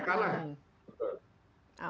karena ya kebacanya mereka lah